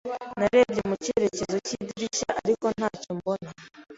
Narebye mu cyerekezo cy'idirishya, ariko ntacyo mbona.